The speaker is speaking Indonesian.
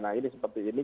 nah ini seperti ini